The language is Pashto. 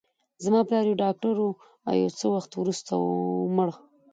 زما پلار یو ډاکټر و، او یو څه وخت وروسته ومړ.